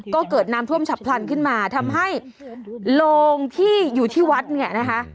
ก็เกิดน้ำท่วมฉับพลันขึ้นมาทำให้โรงที่อยู่ที่วัดเนี่ยนะคะ